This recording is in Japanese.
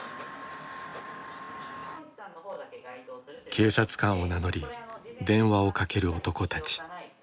警察官を名乗り電話をかける男たち。